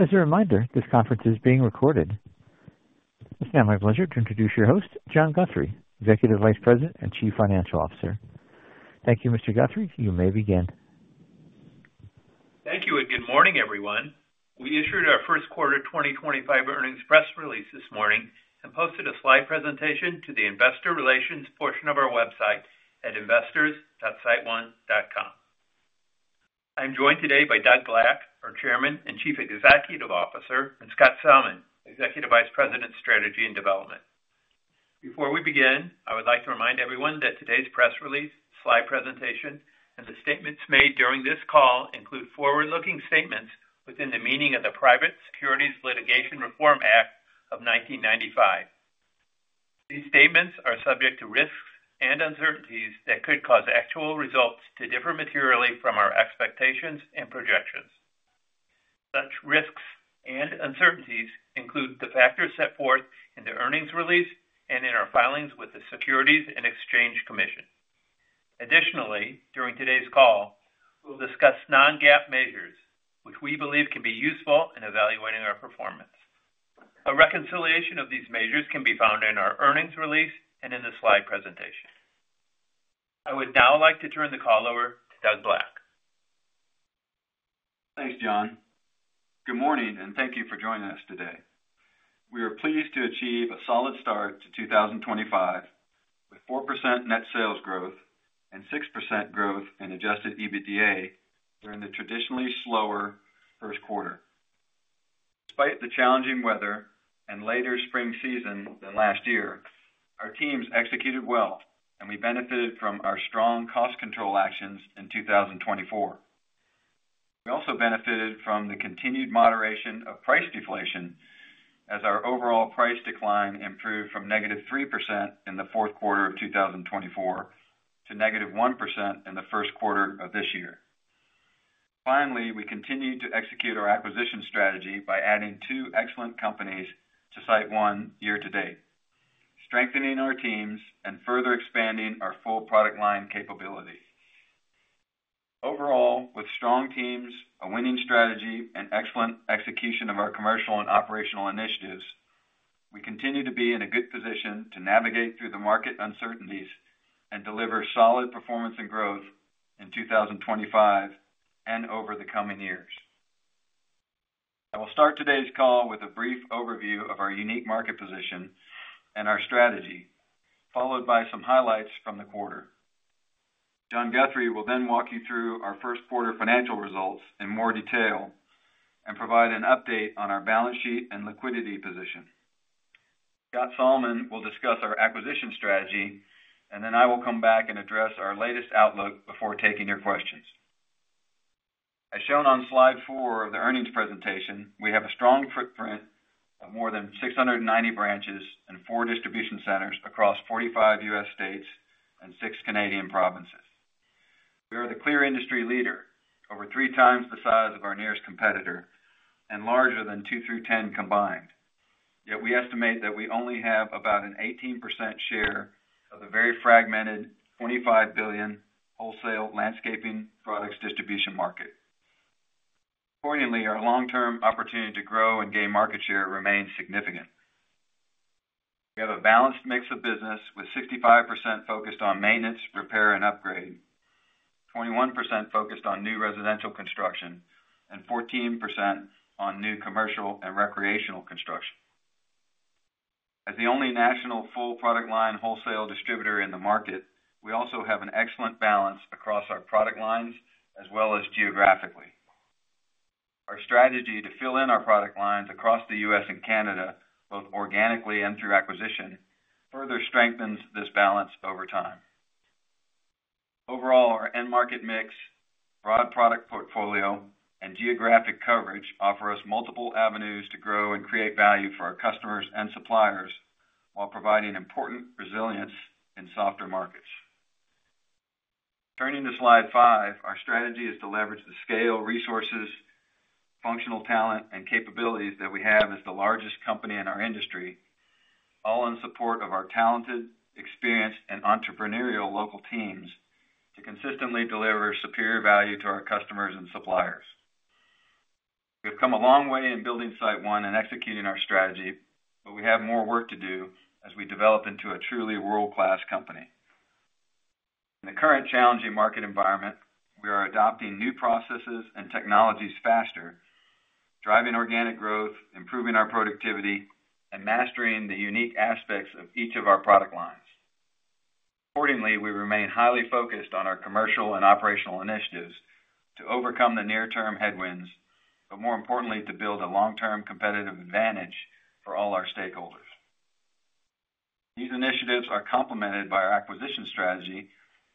As a reminder, this conference is being recorded. It's now my pleasure to introduce your host, John Guthrie, Executive Vice President and Chief Financial Officer. Thank you, Mr. Guthrie. You may begin. Thank you, and good morning, everyone. We issued our first quarter 2025 earnings press release this morning and posted a slide presentation to the investor relations portion of our website at investors.siteone.com. I'm joined today by Doug Black, our Chairman and Chief Executive Officer, and Scott Salmon, Executive Vice President, Strategy and Development. Before we begin, I would like to remind everyone that today's press release, slide presentation, and the statements made during this call include forward-looking statements within the meaning of the Private Securities Litigation Reform Act of 1995. These statements are subject to risks and uncertainties that could cause actual results to differ materially from our expectations and projections. Such risks and uncertainties include the factors set forth in the earnings release and in our filings with the Securities and Exchange Commission. Additionally, during today's call, we'll discuss non-GAAP measures, which we believe can be useful in evaluating our performance. A reconciliation of these measures can be found in our earnings release and in the slide presentation. I would now like to turn the call over to Doug Black. Thanks, John. Good morning, and thank you for joining us today. We are pleased to achieve a solid start to 2025 with 4% net sales growth and 6% growth in adjusted EBITDA during the traditionally slower first quarter. Despite the challenging weather and later spring season than last year, our teams executed well, and we benefited from our strong cost control actions in 2024. We also benefited from the continued moderation of price deflation as our overall price decline improved from negative 3% in the fourth quarter of 2024 to negative 1% in the first quarter of this year. Finally, we continued to execute our acquisition strategy by adding two excellent companies to SiteOne year to date, strengthening our teams and further expanding our full product line capability. Overall, with strong teams, a winning strategy, and excellent execution of our commercial and operational initiatives, we continue to be in a good position to navigate through the market uncertainties and deliver solid performance and growth in 2025 and over the coming years. I will start today's call with a brief overview of our unique market position and our strategy, followed by some highlights from the quarter. John Guthrie will then walk you through our first quarter financial results in more detail and provide an update on our balance sheet and liquidity position. Scott Salmon will discuss our acquisition strategy, and then I will come back and address our latest outlook before taking your questions. As shown on slide four of the earnings presentation, we have a strong footprint of more than 690 branches and four distribution centers across 45 U.S. states and six Canadian provinces. We are the clear industry leader, over three times the size of our nearest competitor, and larger than 2 through 10 combined. Yet we estimate that we only have about an 18% share of the very fragmented $25 billion wholesale landscaping products distribution market. Importantly, our long-term opportunity to grow and gain market share remains significant. We have a balanced mix of business with 65% focused on maintenance, repair, and upgrading, 21% focused on new residential construction, and 14% on new commercial and recreational construction. As the only national full product line wholesale distributor in the market, we also have an excellent balance across our product lines as well as geographically. Our strategy to fill in our product lines across the U.S. and Canada, both organically and through acquisition, further strengthens this balance over time. Overall, our end market mix, broad product portfolio, and geographic coverage offer us multiple avenues to grow and create value for our customers and suppliers while providing important resilience in softer markets. Turning to slide five, our strategy is to leverage the scale, resources, functional talent, and capabilities that we have as the largest company in our industry, all in support of our talented, experienced, and entrepreneurial local teams to consistently deliver superior value to our customers and suppliers. We have come a long way in building SiteOne and executing our strategy, but we have more work to do as we develop into a truly world-class company. In the current challenging market environment, we are adopting new processes and technologies faster, driving organic growth, improving our productivity, and mastering the unique aspects of each of our product lines. Importantly, we remain highly focused on our commercial and operational initiatives to overcome the near-term headwinds, but more importantly, to build a long-term competitive advantage for all our stakeholders. These initiatives are complemented by our acquisition strategy,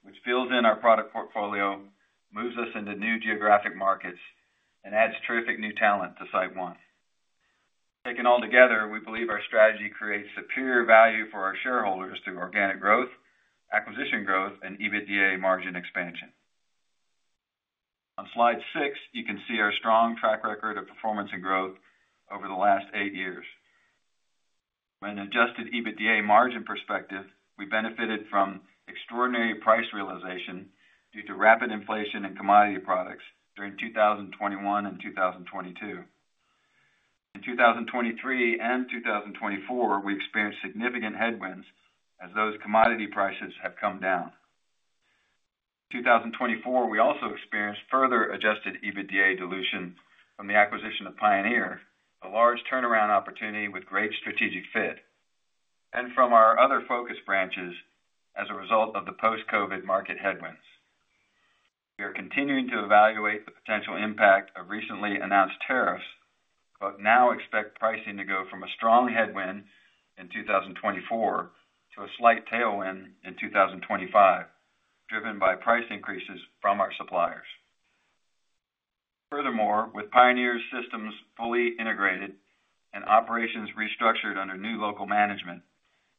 which fills in our product portfolio, moves us into new geographic markets, and adds terrific new talent to SiteOne. Taken all together, we believe our strategy creates superior value for our shareholders through organic growth, acquisition growth, and EBITDA margin expansion. On slide six, you can see our strong track record of performance and growth over the last eight years. From an adjusted EBITDA margin perspective, we benefited from extraordinary price realization due to rapid inflation in commodity products during 2021 and 2022. In 2023 and 2024, we experienced significant headwinds as those commodity prices have come down. In 2024, we also experienced further adjusted EBITDA dilution from the acquisition of Pioneer, a large turnaround opportunity with great strategic fit, and from our other focus branches as a result of the post-COVID market headwinds. We are continuing to evaluate the potential impact of recently announced tariffs, but now expect pricing to go from a strong headwind in 2024 to a slight tailwind in 2025, driven by price increases from our suppliers. Furthermore, with Pioneer's systems fully integrated and operations restructured under new local management,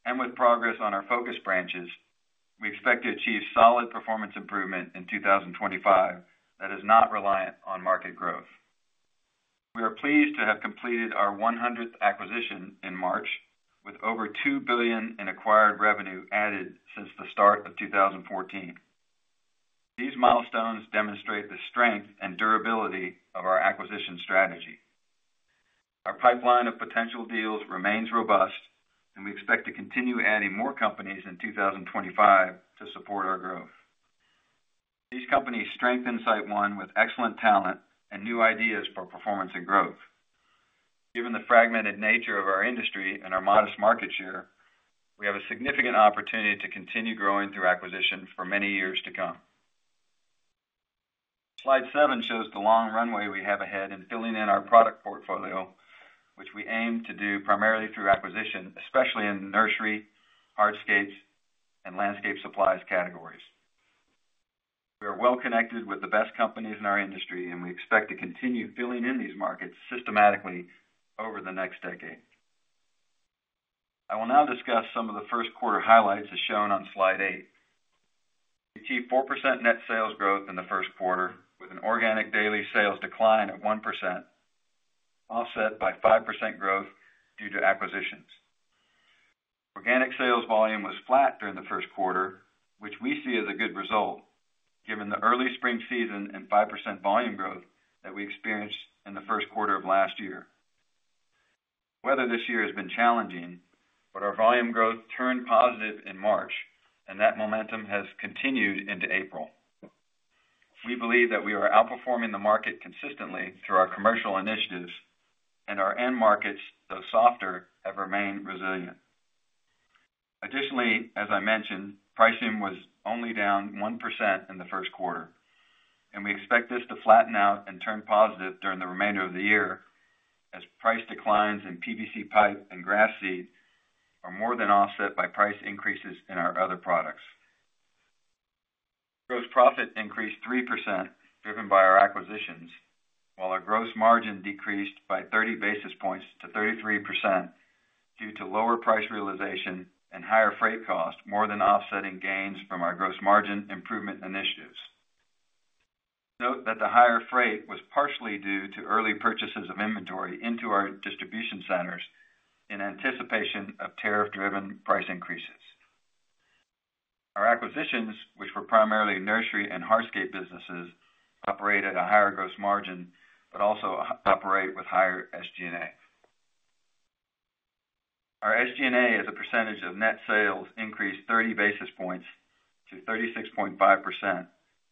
and with progress on our focus branches, we expect to achieve solid performance improvement in 2025 that is not reliant on market growth. We are pleased to have completed our 100th acquisition in March, with over $2 billion in acquired revenue added since the start of 2014. These milestones demonstrate the strength and durability of our acquisition strategy. Our pipeline of potential deals remains robust, and we expect to continue adding more companies in 2025 to support our growth. These companies strengthen SiteOne with excellent talent and new ideas for performance and growth. Given the fragmented nature of our industry and our modest market share, we have a significant opportunity to continue growing through acquisition for many years to come. Slide seven shows the long runway we have ahead in filling in our product portfolio, which we aim to do primarily through acquisition, especially in nursery, hardscapes, and landscape supplies categories. We are well connected with the best companies in our industry, and we expect to continue filling in these markets systematically over the next decade. I will now discuss some of the first quarter highlights as shown on slide eight. We achieved 4% net sales growth in the first quarter, with an organic daily sales decline of 1%, offset by 5% growth due to acquisitions. Organic sales volume was flat during the first quarter, which we see as a good result given the early spring season and 5% volume growth that we experienced in the first quarter of last year. Weather this year has been challenging, but our volume growth turned positive in March, and that momentum has continued into April. We believe that we are outperforming the market consistently through our commercial initiatives, and our end markets, though softer, have remained resilient. Additionally, as I mentioned, pricing was only down 1% in the first quarter, and we expect this to flatten out and turn positive during the remainder of the year as price declines in PVC pipe and grass seed are more than offset by price increases in our other products. Gross profit increased 3% driven by our acquisitions, while our gross margin decreased by 30 basis points to 33% due to lower price realization and higher freight cost, more than offsetting gains from our gross margin improvement initiatives. Note that the higher freight was partially due to early purchases of inventory into our distribution centers in anticipation of tariff-driven price increases. Our acquisitions, which were primarily nursery and hardscape businesses, operate at a higher gross margin, but also operate with higher SG&A. Our SG&A as a percentage of net sales increased 30 basis points to 36.5%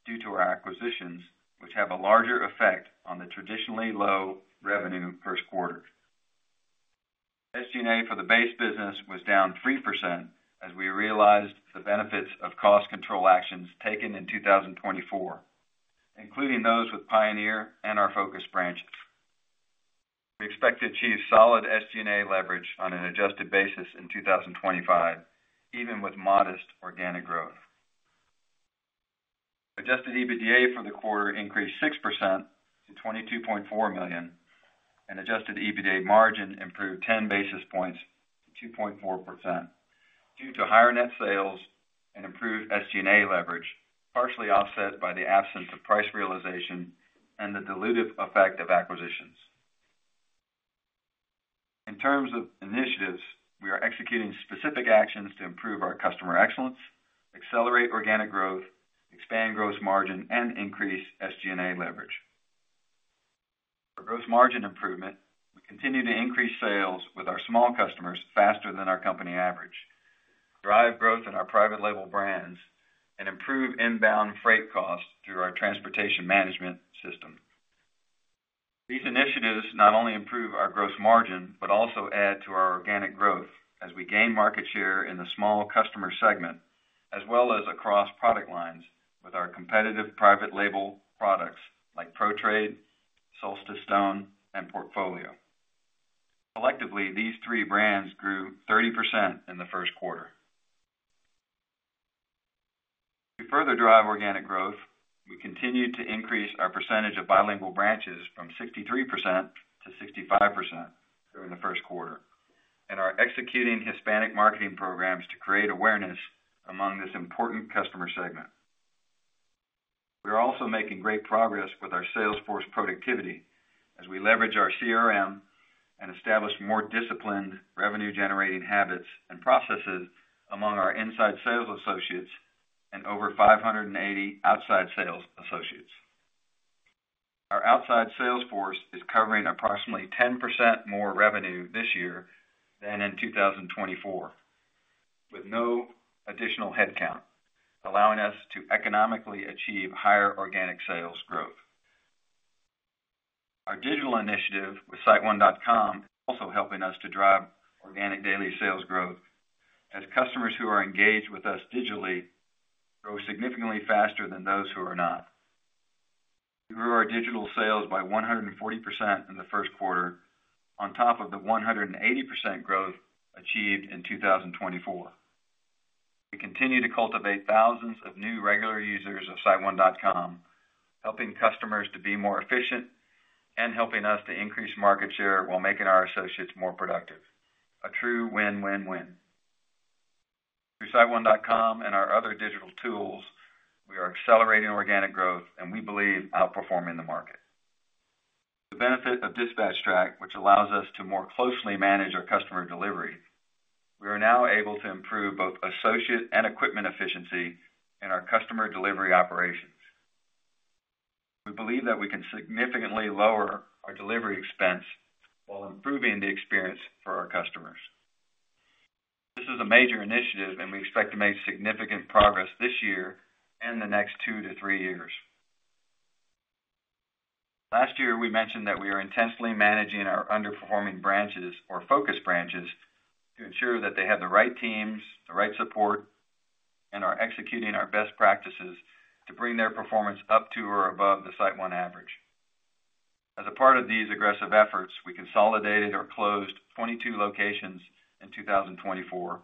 due to our acquisitions, which have a larger effect on the traditionally low revenue first quarter. SG&A for the base business was down 3% as we realized the benefits of cost control actions taken in 2024, including those with Pioneer and our focus branches. We expect to achieve solid SG&A leverage on an adjusted basis in 2025, even with modest organic growth. Adjusted EBITDA for the quarter increased 6% to $22.4 million, and adjusted EBITDA margin improved 10 basis points to 2.4% due to higher net sales and improved SG&A leverage, partially offset by the absence of price realization and the dilutive effect of acquisitions. In terms of initiatives, we are executing specific actions to improve our customer excellence, accelerate organic growth, expand gross margin, and increase SG&A leverage. For gross margin improvement, we continue to increase sales with our small customers faster than our company average, drive growth in our private label brands, and improve inbound freight costs through our transportation management system. These initiatives not only improve our gross margin, but also add to our organic growth as we gain market share in the small customer segment, as well as across product lines with our competitive private label products like Pro-Trade, Solstice Stone, and Portfolio. Collectively, these three brands grew 30% in the first quarter. To further drive organic growth, we continue to increase our percentage of bilingual branches from 63% to 65% during the first quarter, and are executing Hispanic marketing programs to create awareness among this important customer segment. We are also making great progress with our sales force productivity as we leverage our CRM and establish more disciplined revenue-generating habits and processes among our inside sales associates and over 580 outside sales associates. Our outside sales force is covering approximately 10% more revenue this year than in 2024, with no additional headcount, allowing us to economically achieve higher organic sales growth. Our digital initiative with SiteOne.com is also helping us to drive organic daily sales growth as customers who are engaged with us digitally grow significantly faster than those who are not. We grew our digital sales by 140% in the first quarter, on top of the 180% growth achieved in 2024. We continue to cultivate thousands of new regular users of SiteOne.com, helping customers to be more efficient and helping us to increase market share while making our associates more productive. A true win-win-win. Through SiteOne.com and our other digital tools, we are accelerating organic growth, and we believe outperforming the market. The benefit of DispatchTrack, which allows us to more closely manage our customer delivery, we are now able to improve both associate and equipment efficiency in our customer delivery operations. We believe that we can significantly lower our delivery expense while improving the experience for our customers. This is a major initiative, and we expect to make significant progress this year and the next two to three years. Last year, we mentioned that we are intensely managing our underperforming branches, or focus branches, to ensure that they have the right teams, the right support, and are executing our best practices to bring their performance up to or above the SiteOne average. As a part of these aggressive efforts, we consolidated or closed 22 locations in 2024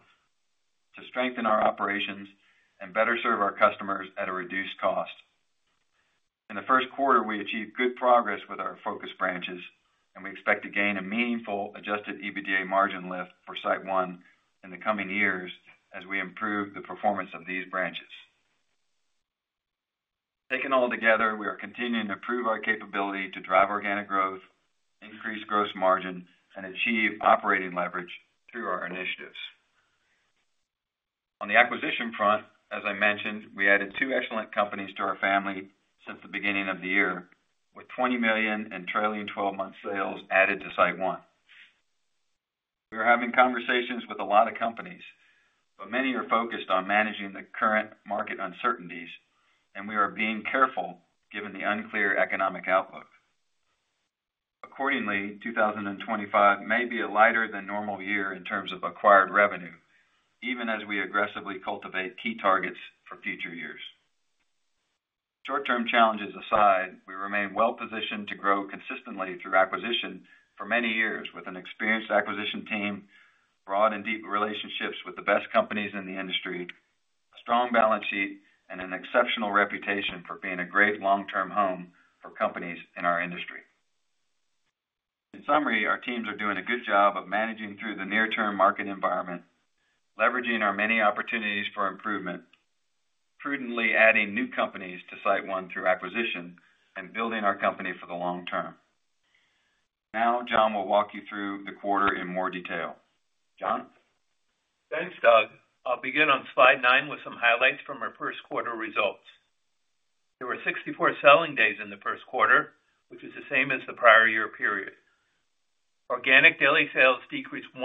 to strengthen our operations and better serve our customers at a reduced cost. In the first quarter, we achieved good progress with our focus branches, and we expect to gain a meaningful adjusted EBITDA margin lift for SiteOne in the coming years as we improve the performance of these branches. Taken all together, we are continuing to prove our capability to drive organic growth, increase gross margin, and achieve operating leverage through our initiatives. On the acquisition front, as I mentioned, we added two excellent companies to our family since the beginning of the year, with $20 million in trailing 12-month sales added to SiteOne. We are having conversations with a lot of companies, but many are focused on managing the current market uncertainties, and we are being careful given the unclear economic outlook. Accordingly, 2025 may be a lighter than normal year in terms of acquired revenue, even as we aggressively cultivate key targets for future years. Short-term challenges aside, we remain well-positioned to grow consistently through acquisition for many years with an experienced acquisition team, broad and deep relationships with the best companies in the industry, a strong balance sheet, and an exceptional reputation for being a great long-term home for companies in our industry. In summary, our teams are doing a good job of managing through the near-term market environment, leveraging our many opportunities for improvement, prudently adding new companies to SiteOne through acquisition, and building our company for the long term. Now, John will walk you through the quarter in more detail. John? Thanks, Doug. I'll begin on slide nine with some highlights from our first quarter results. There were 64 selling days in the first quarter, which is the same as the prior year period. Organic daily sales decreased 1%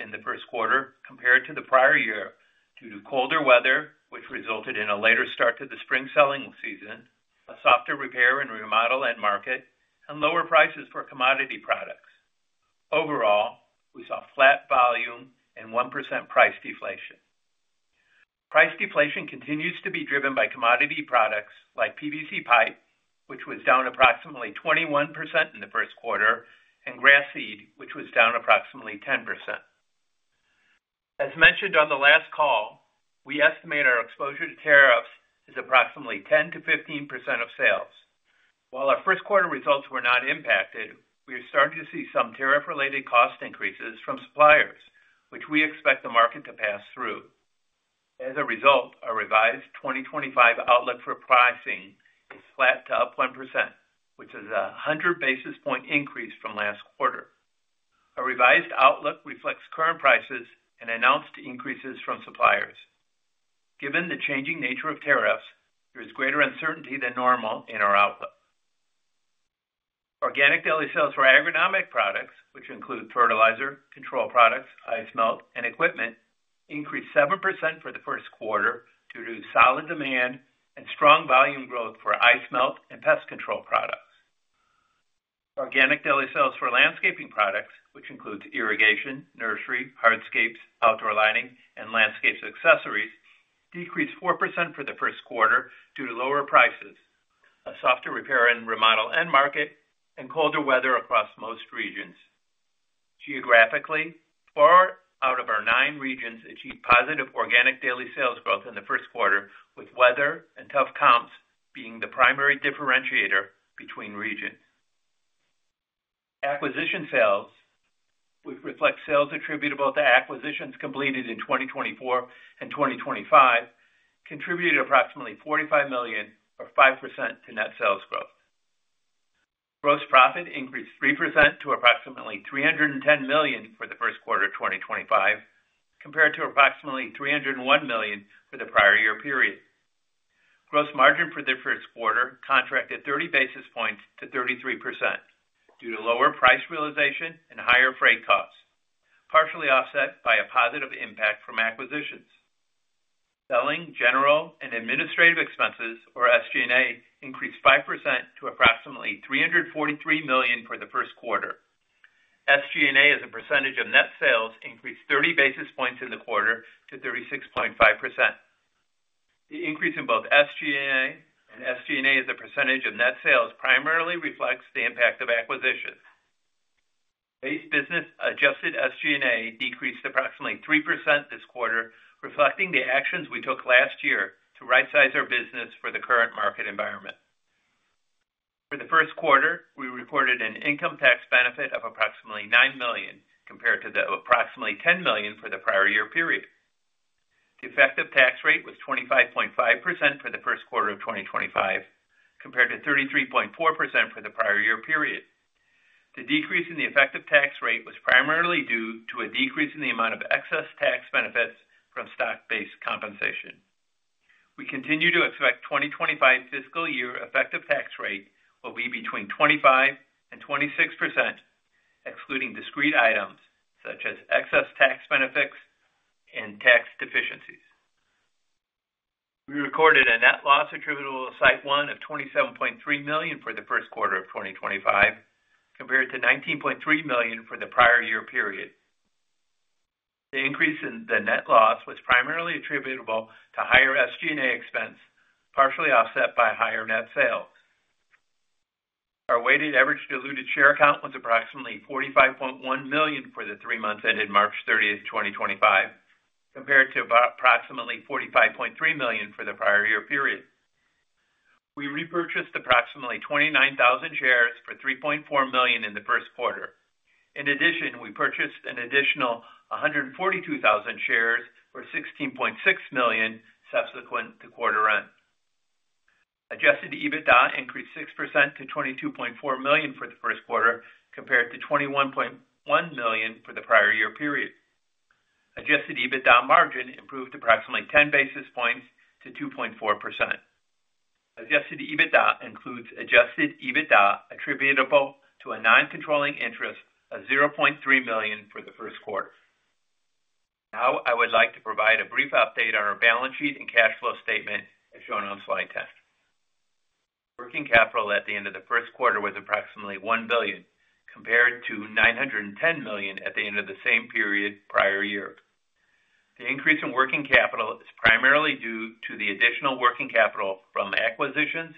in the first quarter compared to the prior year due to colder weather, which resulted in a later start to the spring selling season, a softer repair and remodel at market, and lower prices for commodity products. Overall, we saw flat volume and 1% price deflation. Price deflation continues to be driven by commodity products like PVC pipe, which was down approximately 21% in the first quarter, and grass seed, which was down approximately 10%. As mentioned on the last call, we estimate our exposure to tariffs is approximately 10%-15% of sales. While our first quarter results were not impacted, we are starting to see some tariff-related cost increases from suppliers, which we expect the market to pass through. As a result, our revised 2025 outlook for pricing is flat to up 1%, which is a 100 basis point increase from last quarter. Our revised outlook reflects current prices and announced increases from suppliers. Given the changing nature of tariffs, there is greater uncertainty than normal in our outlook. Organic daily sales for agronomic products, which include fertilizer, control products, ice melt, and equipment, increased 7% for the first quarter due to solid demand and strong volume growth for ice melt and pest control products. Organic daily sales for landscaping products, which includes irrigation, nursery, hardscapes, outdoor lighting, and landscape accessories, decreased 4% for the first quarter due to lower prices, a softer repair and remodel end market, and colder weather across most regions. Geographically, four out of our nine regions achieved positive organic daily sales growth in the first quarter, with weather and tough comps being the primary differentiator between regions. Acquisition sales, which reflect sales attributable to acquisitions completed in 2024 and 2025, contributed approximately $45 million, or 5% to net sales growth. Gross profit increased 3% to approximately $310 million for the first quarter of 2025, compared to approximately $301 million for the prior year period. Gross margin for the first quarter contracted 30 basis points to 33% due to lower price realization and higher freight costs, partially offset by a positive impact from acquisitions. Selling, general and administrative expenses, or SG&A, increased 5% to approximately $343 million for the first quarter. SG&A, as a percentage of net sales, increased 30 basis points in the quarter to 36.5%. The increase in both SG&A and SG&A, as a percentage of net sales, primarily reflects the impact of acquisitions. Base business adjusted SG&A decreased approximately 3% this quarter, reflecting the actions we took last year to right-size our business for the current market environment. For the first quarter, we recorded an income tax benefit of approximately $9 million compared to the approximately $10 million for the prior year period. The effective tax rate was 25.5% for the first quarter of 2025, compared to 33.4% for the prior year period. The decrease in the effective tax rate was primarily due to a decrease in the amount of excess tax benefits from stock-based compensation. We continue to expect the 2025 fiscal year effective tax rate will be between 25%-26%, excluding discrete items such as excess tax benefits and tax deficiencies. We recorded a net loss attributable to SiteOne of $27.3 million for the first quarter of 2025, compared to $19.3 million for the prior year period. The increase in the net loss was primarily attributable to higher SG&A expense, partially offset by higher net sales. Our weighted average diluted share count was approximately 45.1 million for the three months ended March 30, 2025, compared to approximately 45.3 million for the prior year period. We repurchased approximately 29,000 shares for $3.4 million in the first quarter. In addition, we purchased an additional 142,000 shares for $16.6 million subsequent to quarter end. Adjusted EBITDA increased 6% to $22.4 million for the first quarter, compared to $21.1 million for the prior year period. Adjusted EBITDA margin improved approximately 10 basis points to 2.4%. Adjusted EBITDA includes adjusted EBITDA attributable to a non-controlling interest of $0.3 million for the first quarter. Now, I would like to provide a brief update on our balance sheet and cash flow statement, as shown on slide 10. Working capital at the end of the first quarter was approximately $1 billion, compared to $910 million at the end of the same period prior year. The increase in working capital is primarily due to the additional working capital from acquisitions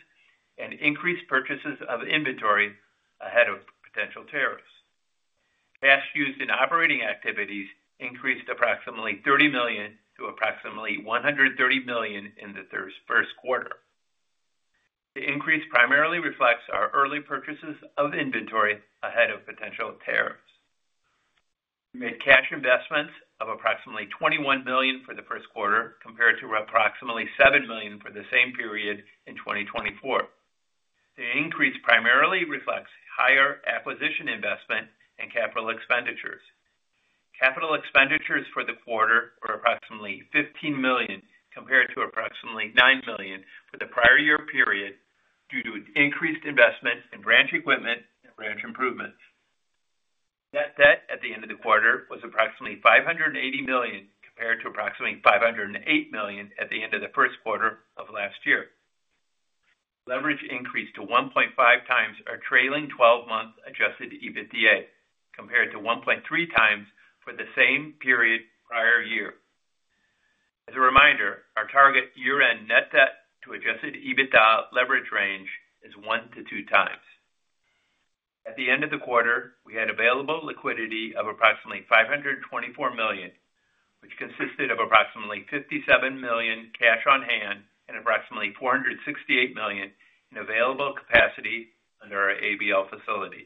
and increased purchases of inventory ahead of potential tariffs. Cash used in operating activities increased approximately $30 million to approximately $130 million in the first quarter. The increase primarily reflects our early purchases of inventory ahead of potential tariffs. We made cash investments of approximately $21 million for the first quarter, compared to approximately $7 million for the same period in 2024. The increase primarily reflects higher acquisition investment and capital expenditures. Capital expenditures for the quarter were approximately $15 million, compared to approximately $9 million for the prior year period, due to increased investment in branch equipment and branch improvements. Net debt at the end of the quarter was approximately $580 million, compared to approximately $508 million at the end of the first quarter of last year. Leverage increased to 1.5 times our trailing 12-month adjusted EBITDA, compared to 1.3 times for the same period prior year. As a reminder, our target year-end net debt to adjusted EBITDA leverage range is 1-2 times. At the end of the quarter, we had available liquidity of approximately $524 million, which consisted of approximately $57 million cash on hand and approximately $468 million in available capacity under our ABL facility.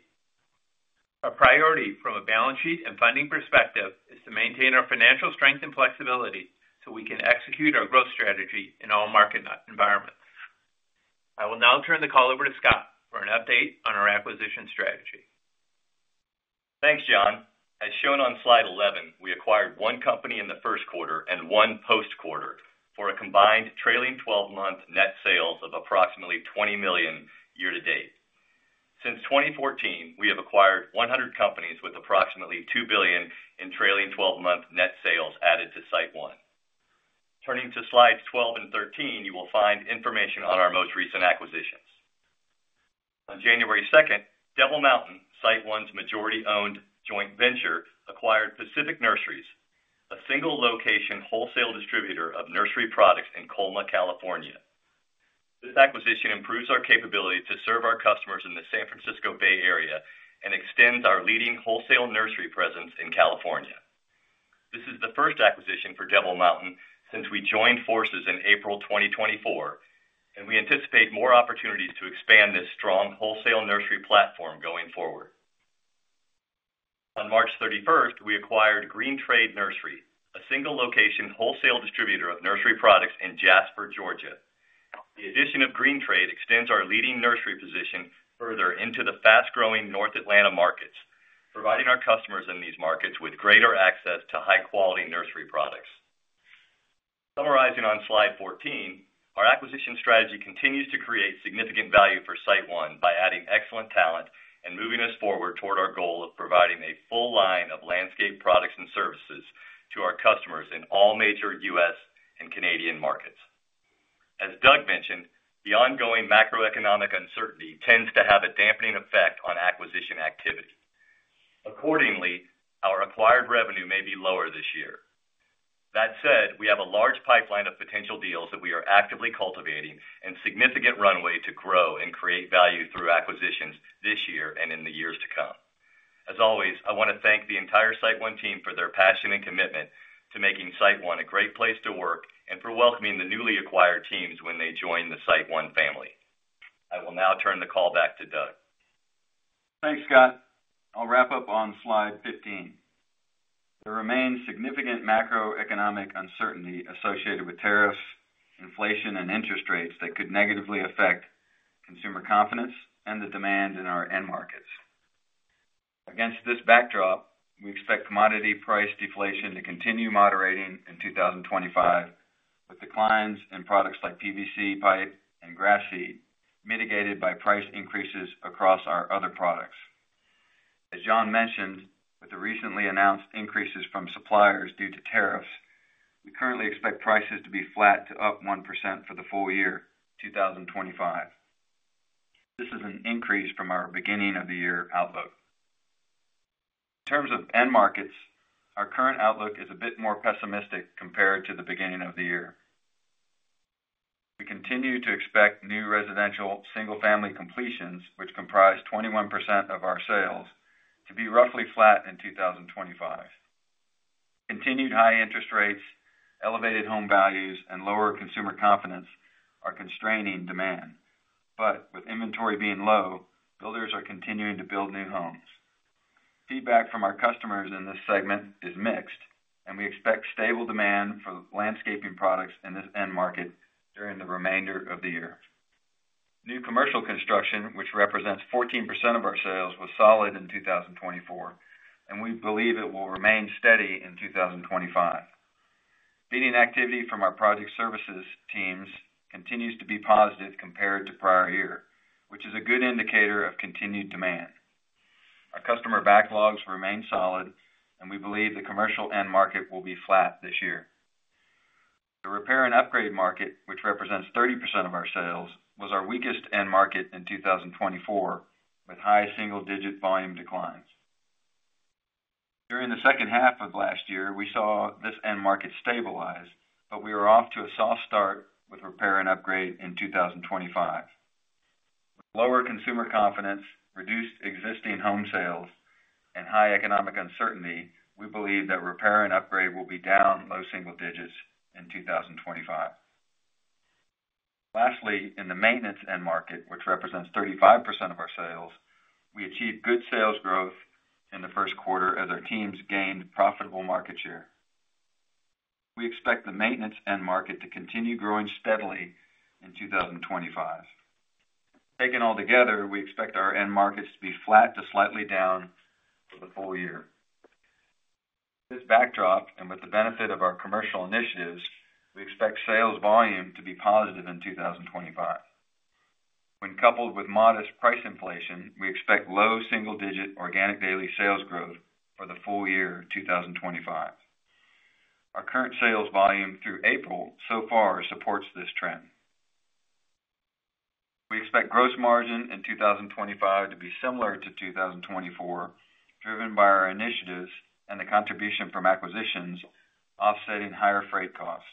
Our priority from a balance sheet and funding perspective is to maintain our financial strength and flexibility so we can execute our growth strategy in all market environments. I will now turn the call over to Scott for an update on our acquisition strategy. Thanks, John. As shown on slide 11, we acquired one company in the first quarter and one post-quarter for a combined trailing 12-month net sales of approximately $20 million year-to-date. Since 2014, we have acquired 100 companies with approximately $2 billion in trailing 12-month net sales added to SiteOne. Turning to slides 12 and 13, you will find information on our most recent acquisitions. On January 2, Devil Mountain, SiteOne's majority-owned joint venture, acquired Pacific Nurseries, a single-location wholesale distributor of nursery products in Colma, California. This acquisition improves our capability to serve our customers in the San Francisco Bay Area and extends our leading wholesale nursery presence in California. This is the first acquisition for Devil Mountain since we joined forces in April 2024, and we anticipate more opportunities to expand this strong wholesale nursery platform going forward. On March 31st, we acquired Green Trade Nursery, a single-location wholesale distributor of nursery products in Jasper, Georgia. The addition of Green Trade extends our leading nursery position further into the fast-growing North Atlanta markets, providing our customers in these markets with greater access to high-quality nursery products. Summarizing on slide 14, our acquisition strategy continues to create significant value for SiteOne by adding excellent talent and moving us forward toward our goal of providing a full line of landscape products and services to our customers in all major U.S. and Canadian markets. As Doug mentioned, the ongoing macroeconomic uncertainty tends to have a dampening effect on acquisition activity. Accordingly, our acquired revenue may be lower this year. That said, we have a large pipeline of potential deals that we are actively cultivating and a significant runway to grow and create value through acquisitions this year and in the years to come. As always, I want to thank the entire SiteOne team for their passion and commitment to making SiteOne a great place to work and for welcoming the newly acquired teams when they join the SiteOne family. I will now turn the call back to Doug. Thanks, Scott. I'll wrap up on slide 15. There remains significant macroeconomic uncertainty associated with tariffs, inflation, and interest rates that could negatively affect consumer confidence and the demand in our end markets. Against this backdrop, we expect commodity price deflation to continue moderating in 2025, with declines in products like PVC pipe and grass seed mitigated by price increases across our other products. As John mentioned, with the recently announced increases from suppliers due to tariffs, we currently expect prices to be flat to up 1% for the full year, 2025. This is an increase from our beginning-of-the-year outlook. In terms of end markets, our current outlook is a bit more pessimistic compared to the beginning of the year. We continue to expect new residential single-family completions, which comprise 21% of our sales, to be roughly flat in 2025. Continued high interest rates, elevated home values, and lower consumer confidence are constraining demand, but with inventory being low, builders are continuing to build new homes. Feedback from our customers in this segment is mixed, and we expect stable demand for landscaping products in this end market during the remainder of the year. New commercial construction, which represents 14% of our sales, was solid in 2024, and we believe it will remain steady in 2025. Feeding activity from our project services teams continues to be positive compared to prior year, which is a good indicator of continued demand. Our customer backlogs remain solid, and we believe the commercial end market will be flat this year. The repair and upgrade market, which represents 30% of our sales, was our weakest end market in 2024, with high single-digit volume declines. During the second half of last year, we saw this end market stabilize, but we were off to a soft start with repair and upgrade in 2025. With lower consumer confidence, reduced existing home sales, and high economic uncertainty, we believe that repair and upgrade will be down low single digits in 2025. Lastly, in the maintenance end market, which represents 35% of our sales, we achieved good sales growth in the first quarter as our teams gained profitable market share. We expect the maintenance end market to continue growing steadily in 2025. Taken all together, we expect our end markets to be flat to slightly down for the full year. This backdrop, and with the benefit of our commercial initiatives, we expect sales volume to be positive in 2025. When coupled with modest price inflation, we expect low single-digit organic daily sales growth for the full year 2025. Our current sales volume through April so far supports this trend. We expect gross margin in 2025 to be similar to 2024, driven by our initiatives and the contribution from acquisitions offsetting higher freight costs.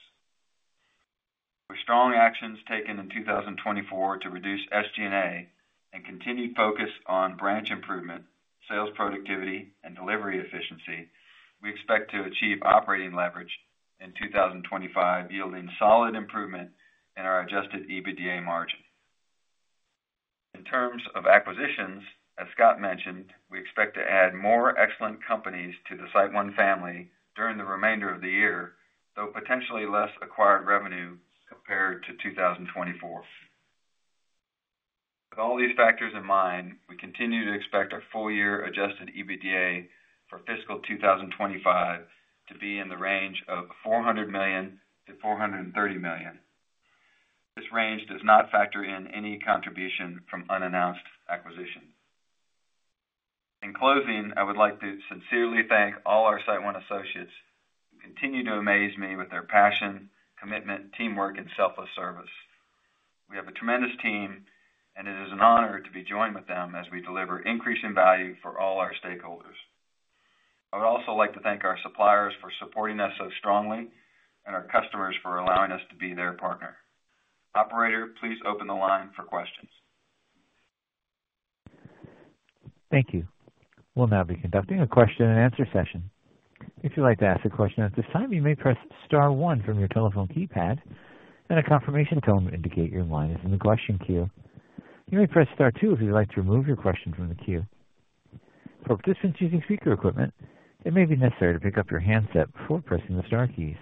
With strong actions taken in 2024 to reduce SG&A and continued focus on branch improvement, sales productivity, and delivery efficiency, we expect to achieve operating leverage in 2025, yielding solid improvement in our adjusted EBITDA margin. In terms of acquisitions, as Scott mentioned, we expect to add more excellent companies to the SiteOne family during the remainder of the year, though potentially less acquired revenue compared to 2024. With all these factors in mind, we continue to expect our full-year adjusted EBITDA for fiscal 2025 to be in the range of $400 million-$430 million. This range does not factor in any contribution from unannounced acquisitions. In closing, I would like to sincerely thank all our SiteOne associates who continue to amaze me with their passion, commitment, teamwork, and selfless service. We have a tremendous team, and it is an honor to be joined with them as we deliver increasing value for all our stakeholders. I would also like to thank our suppliers for supporting us so strongly and our customers for allowing us to be their partner. Operator, please open the line for questions. Thank you. We'll now be conducting a question-and-answer session. If you'd like to ask a question at this time, you may press Star 1 from your telephone keypad, and a confirmation tone will indicate your line is in the question queue. You may press Star 2 if you'd like to remove your question from the queue. For participants using speaker equipment, it may be necessary to pick up your handset before pressing the Star keys.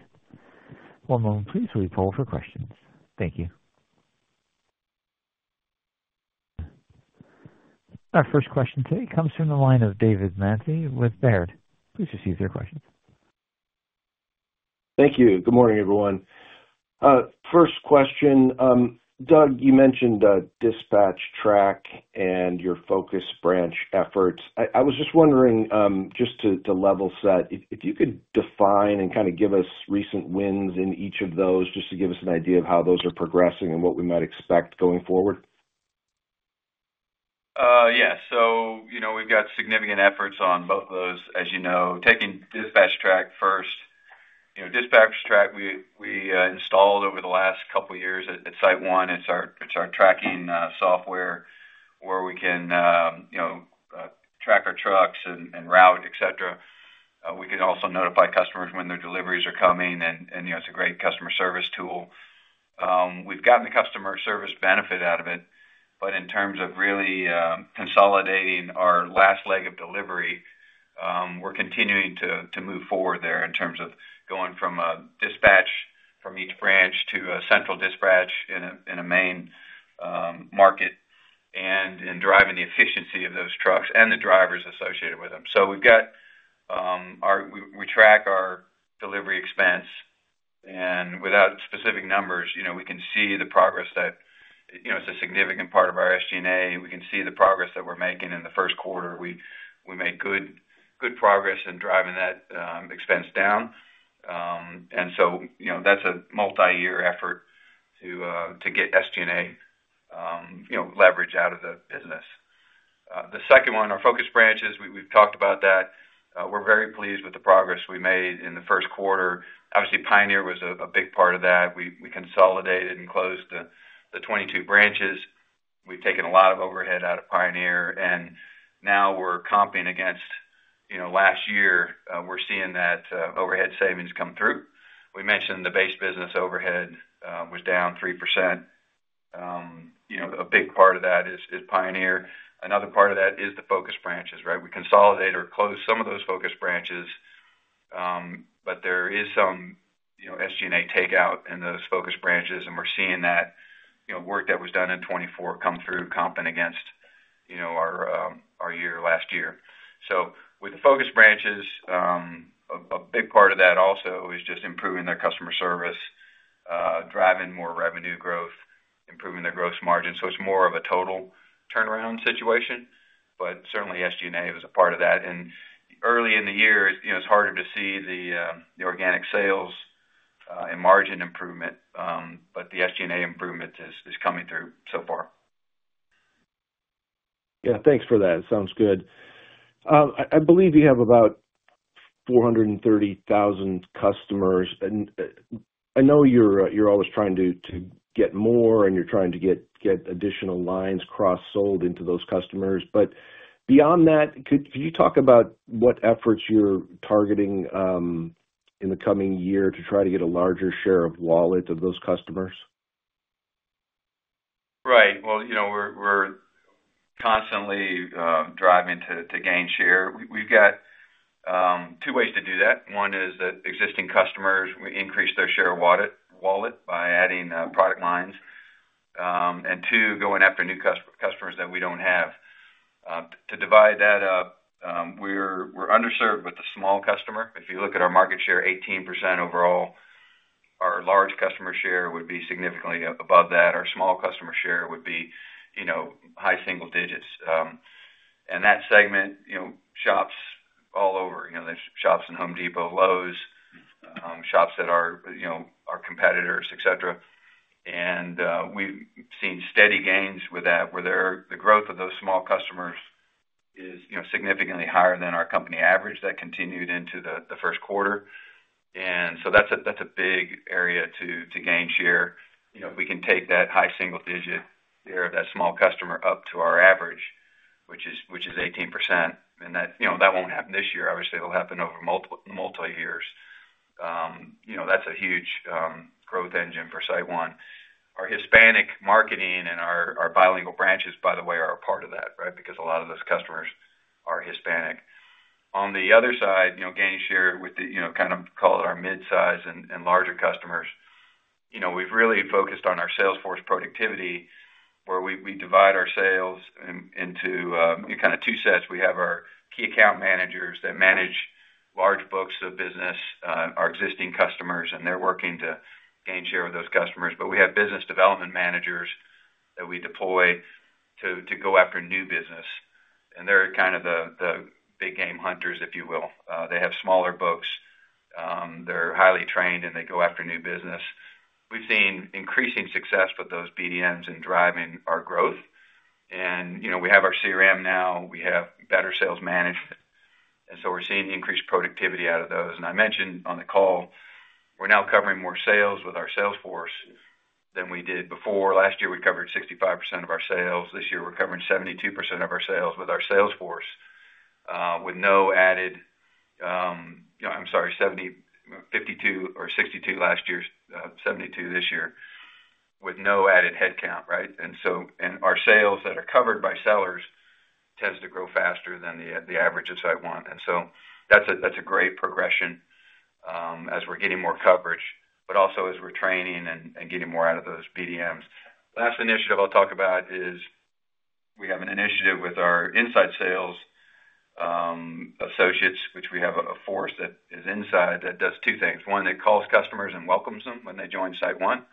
One moment, please, while we poll for questions. Thank you. Our first question today comes from the line of David Manthey with Baird. Please receive your questions. Thank you. Good morning, everyone. First question. Doug, you mentioned DispatchTrack and your focus branch efforts. I was just wondering, just to level set, if you could define and kind of give us recent wins in each of those, just to give us an idea of how those are progressing and what we might expect going forward. Yeah. We have significant efforts on both of those, as you know. Taking Dispatch Track first, Dispatch Track, we installed over the last couple of years at SiteOne. It is our tracking software where we can track our trucks and route, etc. We can also notify customers when their deliveries are coming, and it's a great customer service tool. We've gotten the customer service benefit out of it, but in terms of really consolidating our last leg of delivery, we're continuing to move forward there in terms of going from a dispatch from each branch to a central dispatch in a main market and in driving the efficiency of those trucks and the drivers associated with them. We track our delivery expense, and without specific numbers, we can see the progress that it's a significant part of our SG&A. We can see the progress that we're making in the first quarter. We made good progress in driving that expense down. That is a multi-year effort to get SG&A leverage out of the business. The second one, our focus branches, we've talked about that. We're very pleased with the progress we made in the first quarter. Obviously, Pioneer was a big part of that. We consolidated and closed the 22 branches. We've taken a lot of overhead out of Pioneer, and now we're comping against last year. We're seeing that overhead savings come through. We mentioned the base business overhead was down 3%. A big part of that is Pioneer. Another part of that is the focus branches, right? We consolidated or closed some of those focus branches, but there is some SG&A takeout in those focus branches, and we're seeing that work that was done in 2024 come through comping against our year last year. With the focus branches, a big part of that also is just improving their customer service, driving more revenue growth, improving their gross margin. It is more of a total turnaround situation, but certainly SG&A was a part of that. Early in the year, it is harder to see the organic sales and margin improvement, but the SG&A improvement is coming through so far. Yeah. Thanks for that. Sounds good. I believe you have about 430,000 customers. I know you are always trying to get more, and you are trying to get additional lines cross-sold into those customers. Beyond that, could you talk about what efforts you are targeting in the coming year to try to get a larger share of wallet of those customers? Right. We are constantly driving to gain share. We have got two ways to do that. One is that with existing customers, we increase their share of wallet by adding product lines. Two, going after new customers that we do not have. To divide that up, we are underserved with the small customer. If you look at our market share, 18% overall, our large customer share would be significantly above that. Our small customer share would be high single digits. That segment shops all over, there are shops in Home Depot, Lowe's, shops that are our competitors, etc. We have seen steady gains with that, where the growth of those small customers is significantly higher than our company average that continued into the first quarter. That is a big area to gain share. If we can take that high single digit share of that small customer up to our average, which is 18%, and that will not happen this year. Obviously, it will happen over multiple years. That is a huge growth engine for SiteOne. Our Hispanic marketing and our bilingual branches, by the way, are a part of that, right? Because a lot of those customers are Hispanic. On the other side, gaining share with the kind of call it our mid-size and larger customers. We've really focused on our sales force productivity, where we divide our sales into kind of two sets. We have our key account managers that manage large books of business, our existing customers, and they're working to gain share with those customers. We have business development managers that we deploy to go after new business. They're kind of the big game hunters, if you will. They have smaller books. They're highly trained, and they go after new business. We've seen increasing success with those BDMs in driving our growth. We have our CRM now. We have better sales management. We're seeing increased productivity out of those. I mentioned on the call, we're now covering more sales with our sales force than we did before. Last year, we covered 65% of our sales. This year, we're covering 72% of our sales with our sales force, with no added—I'm sorry, 52 or 62 last year, 72 this year, with no added headcount, right? Our sales that are covered by sellers tends to grow faster than the average of SiteOne. That is a great progression as we're getting more coverage, but also as we're training and getting more out of those BDMs. Last initiative I'll talk about is we have an initiative with our inside sales associates, which we have a force that is inside that does two things. One, it calls customers and welcomes them when they join SiteOne,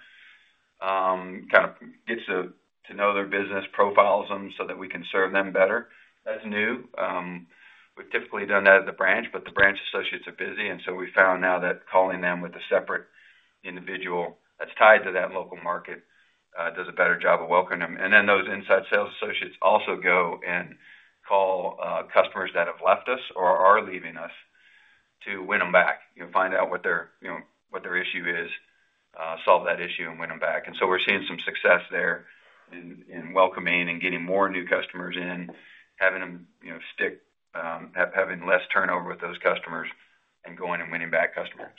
kind of gets to know their business, profiles them so that we can serve them better. That is new. We've typically done that at the branch, but the branch associates are busy. We found now that calling them with a separate individual that's tied to that local market does a better job of welcoming them. Those inside sales associates also go and call customers that have left us or are leaving us to win them back, find out what their issue is, solve that issue, and win them back. We're seeing some success there in welcoming and getting more new customers in, having them stick, having less turnover with those customers, and going and winning back customers.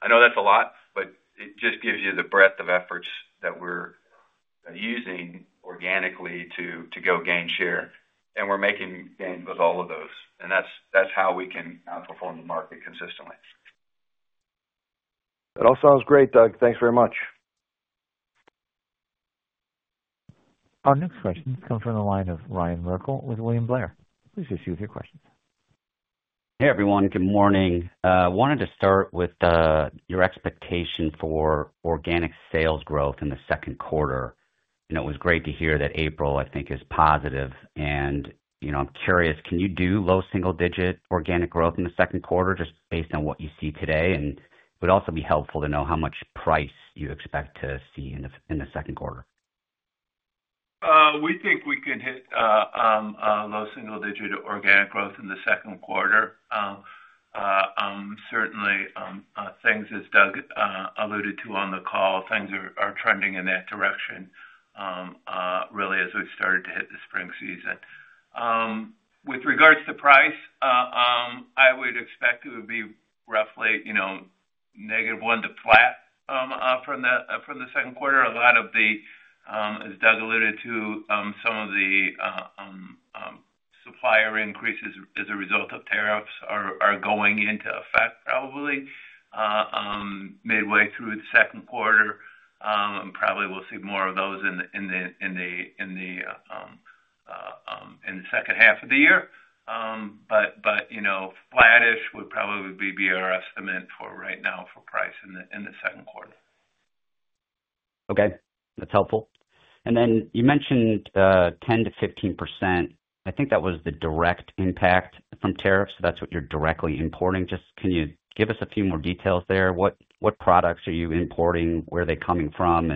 I know that's a lot, but it just gives you the breadth of efforts that we're using organically to go gain share. We're making gains with all of those. That's how we can outperform the market consistently. That all sounds great, Doug. Thanks very much. Our next question has come from the line of Ryan Merkel with William Blair. Please proceed with your questions. Hey, everyone. Good morning. I wanted to start with your expectation for organic sales growth in the second quarter. It was great to hear that April, I think, is positive. I am curious, can you do low single-digit organic growth in the second quarter just based on what you see today? It would also be helpful to know how much price you expect to see in the second quarter. We think we can hit low single-digit organic growth in the second quarter. Certainly, things as Doug alluded to on the call, things are trending in that direction, really, as we have started to hit the spring season. With regards to price, I would expect it would be roughly negative 1% to flat from the second quarter. A lot of the, as Doug alluded to, some of the supplier increases as a result of tariffs are going into effect probably midway through the second quarter. Probably we will see more of those in the second half of the year. Flat-ish would probably be our estimate for right now for price in the second quarter. Okay. That is helpful. You mentioned 10-15%. I think that was the direct impact from tariffs. That is what you are directly importing. Just can you give us a few more details there? What products are you importing? Where are they coming from?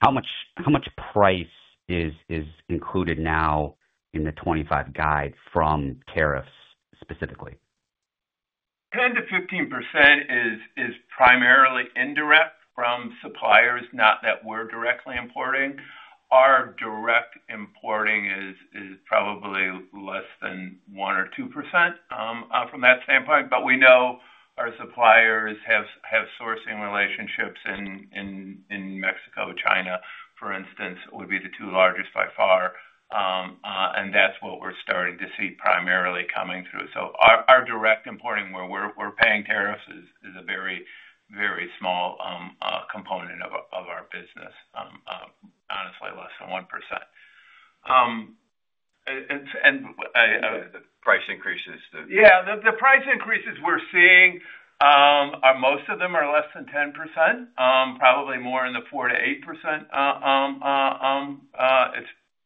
How much price is included now in the 2025 guide from tariffs specifically? 10-15% is primarily indirect from suppliers, not that we are directly importing. Our direct importing is probably less than 1-2% from that standpoint. We know our suppliers have sourcing relationships in Mexico, China, for instance, would be the two largest by far. That is what we are starting to see primarily coming through. Our direct importing, where we are paying tariffs, is a very, very small component of our business, honestly, less than 1%. The price increases, yeah, the price increases we are seeing, most of them are less than 10%, probably more in the 4-8% range.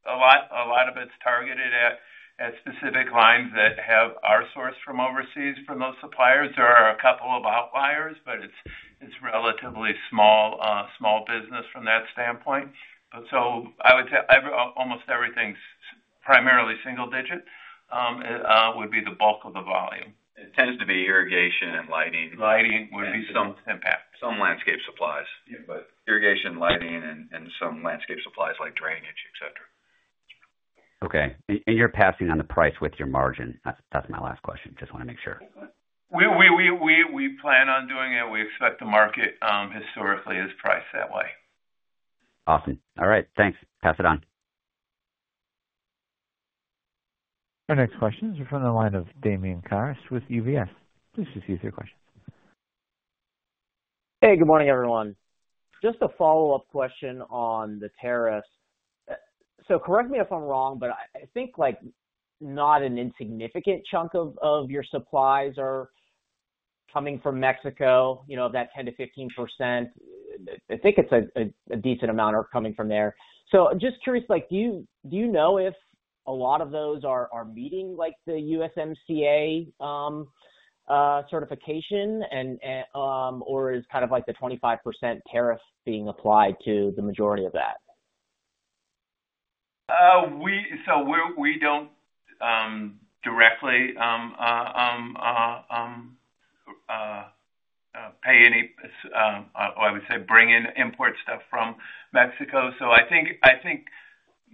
A lot of it is targeted at specific lines that are sourced from overseas from those suppliers. There are a couple of outliers, but it is relatively small business from that standpoint. I would say almost everything is primarily single-digit, would be the bulk of the volume. It tends to be irrigation and lighting. Lighting would be impact. some landscape supplies. Irrigation, lighting, and some landscape supplies like drainage, etc. Okay. You are passing on the price with your margin. That is my last question. Just want to make sure. We plan on doing it. We expect the market historically is priced that way. Awesome. All right. Thanks. Pass it on. Our next question is from the line of Damian Karas with UBS. Please proceed with your questions. Hey, good morning, everyone. Just a follow-up question on the tariffs. Correct me if I am wrong, but I think not an insignificant chunk of your supplies are coming from Mexico, that 10-15%. I think a decent amount are coming from there. I am just curious, do you know if a lot of those are meeting the USMCA certification, or is kind of like the 25% tariff being applied to the majority of that? We do not directly pay any, or I would say bring in import stuff from Mexico. I think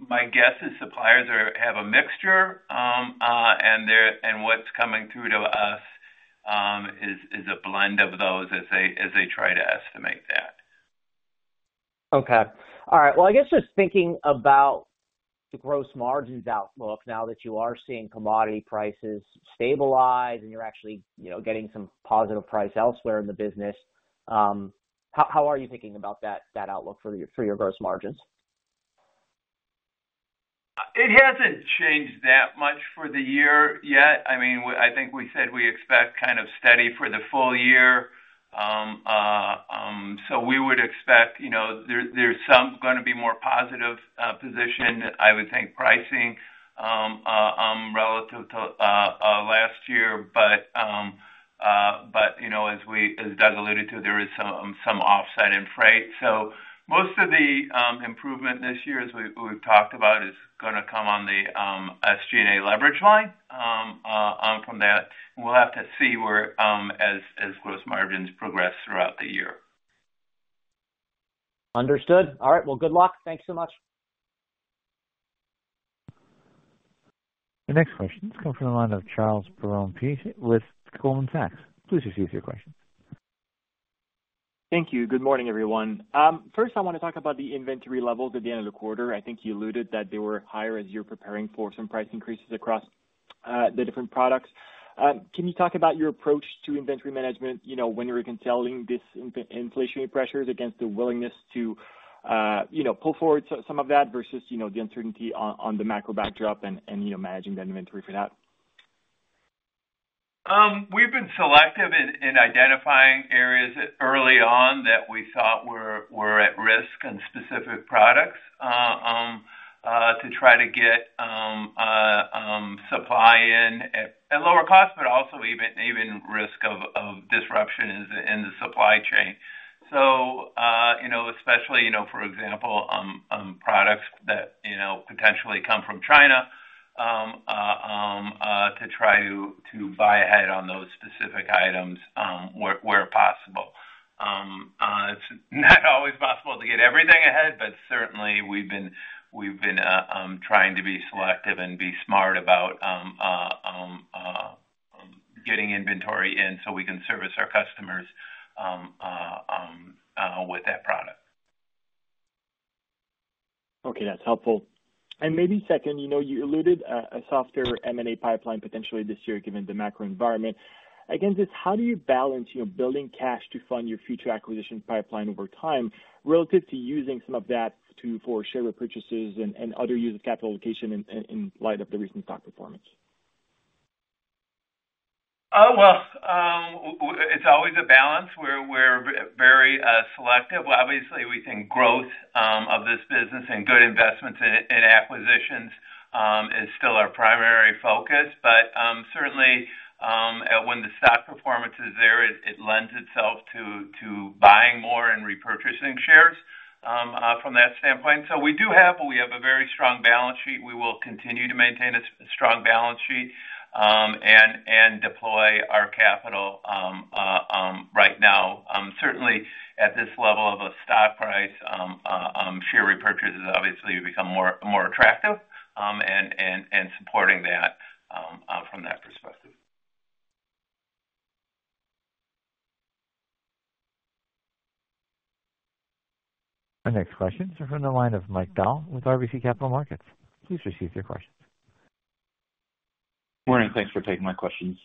my guess is suppliers have a mixture, and what's coming through to us is a blend of those as they try to estimate that. Okay. All right. I guess just thinking about the gross margins outlook now that you are seeing commodity prices stabilize and you're actually getting some positive price elsewhere in the business, how are you thinking about that outlook for your gross margins? It hasn't changed that much for the year yet. I mean, I think we said we expect kind of steady for the full year. We would expect there's some going to be more positive position, I would think, pricing relative to last year. As Doug alluded to, there is some offset in freight. Most of the improvement this year, as we've talked about, is going to come on the SG&A leverage line from that. We'll have to see where as gross margins progress throughout the year. Understood. All right. Good luck. Thanks so much. The next question has come from the line of Charles Perron-Piché with Goldman Sachs. Please proceed with your questions. Thank you. Good morning, everyone. First, I want to talk about the inventory levels at the end of the quarter. I think you alluded that they were higher as you're preparing for some price increases across the different products. Can you talk about your approach to inventory management when you're consoling this inflationary pressures against the willingness to pull forward some of that versus the uncertainty on the macro backdrop and managing that inventory for that? We've been selective in identifying areas early on that we thought were at risk on specific products to try to get supply in at lower cost, but also even risk of disruption in the supply chain. For example, products that potentially come from China to try to buy ahead on those specific items where possible. It's not always possible to get everything ahead, but certainly, we've been trying to be selective and be smart about getting inventory in so we can service our customers with that product. Okay. That's helpful. Maybe second, you alluded to a softer M&A pipeline potentially this year given the macro environment. Against this, how do you balance building cash to fund your future acquisition pipeline over time relative to using some of that for share purchases and other use of capital allocation in light of the recent stock performance? It is always a balance. We are very selective. Obviously, we think growth of this business and good investments in acquisitions is still our primary focus. Certainly, when the stock performance is there, it lends itself to buying more and repurchasing shares from that standpoint. We do have a very strong balance sheet. We will continue to maintain a strong balance sheet and deploy our capital right now. Certainly, at this level of a stock price, share repurchases obviously become more attractive and supporting that from that perspective. Our next question is from the line of Mike Dahl with RBC Capital Markets. Please proceed with your questions. Morning. Thanks for taking my questions.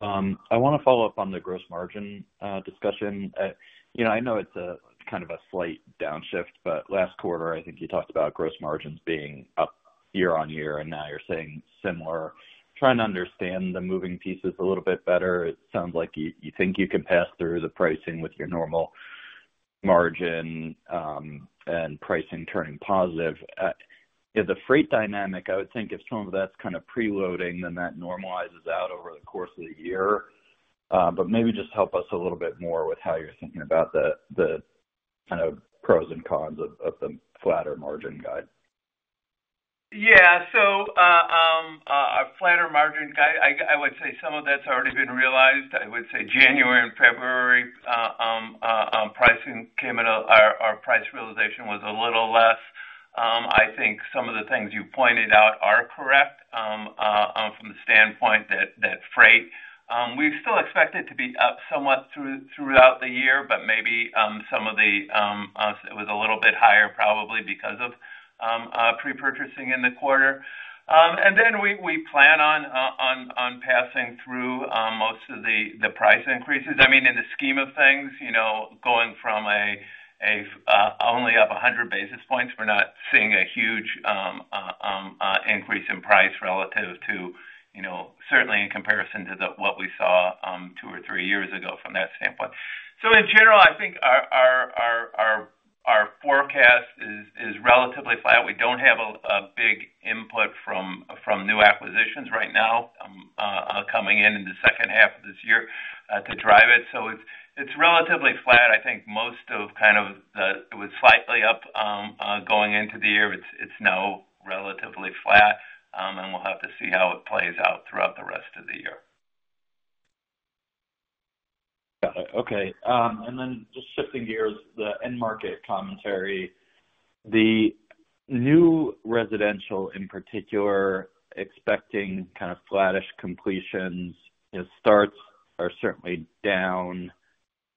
I want to follow up on the gross margin discussion. I know it's kind of a slight downshift, but last quarter, I think you talked about gross margins being up year on year, and now you're saying similar. Trying to understand the moving pieces a little bit better. It sounds like you think you can pass through the pricing with your normal margin and pricing turning positive. The freight dynamic, I would think if some of that's kind of preloading, then that normalizes out over the course of the year. Maybe just help us a little bit more with how you're thinking about the kind of pros and cons of the flatter margin guide. Yeah. A flatter margin guide, I would say some of that's already been realized. I would say January and February pricing came in. Our price realization was a little less. I think some of the things you pointed out are correct from the standpoint that freight. We still expect it to be up somewhat throughout the year, but maybe some of it was a little bit higher probably because of pre-purchasing in the quarter. I mean, in the scheme of things, going from only up 100 basis points, we're not seeing a huge increase in price relative to certainly in comparison to what we saw two or three years ago from that standpoint. In general, I think our forecast is relatively flat. We do not have a big input from new acquisitions right now coming in in the second half of this year to drive it. It is relatively flat. I think most of kind of the it was slightly up going into the year. It's now relatively flat, and we'll have to see how it plays out throughout the rest of the year. Got it. Okay. Then just shifting gears, the end market commentary. The new residential, in particular, expecting kind of flattish completions. Starts are certainly down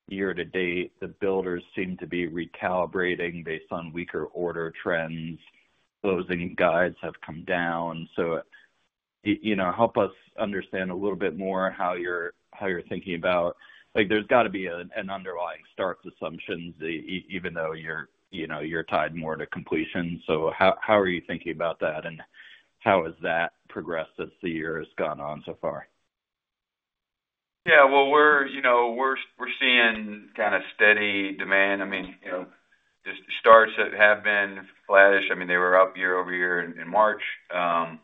year to date. The builders seem to be recalibrating based on weaker order trends. Closing guides have come down. Help us understand a little bit more how you're thinking about there's got to be an underlying start assumptions, even though you're tied more to completion. How are you thinking about that, and how has that progressed as the year has gone on so far? Yeah. We're seeing kind of steady demand. I mean, the starts have been flattish. I mean, they were up year over year in March. That's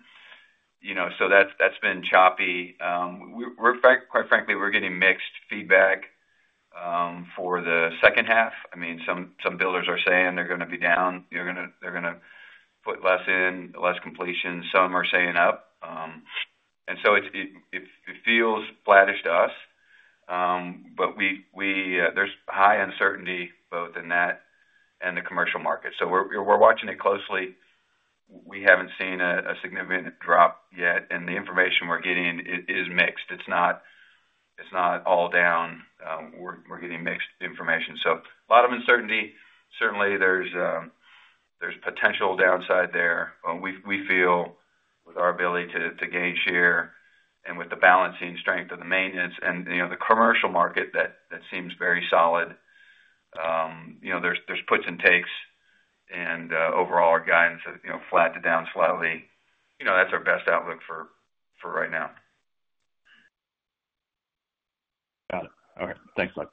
been choppy. Quite frankly, we're getting mixed feedback for the second half. I mean, some builders are saying they're going to be down. They're going to put less in, less completion. Some are saying up. It feels flattish to us, but there's high uncertainty both in that and the commercial market. We're watching it closely. We haven't seen a significant drop yet, and the information we're getting is mixed. It's not all down. We're getting mixed information. A lot of uncertainty. Certainly, there's potential downside there. We feel with our ability to gain share and with the balancing strength of the maintenance and the commercial market that seems very solid, there's puts and takes, and overall, our guidance is flat to down slightly. That's our best outlook for right now. Got it. All right. Thanks, Doug.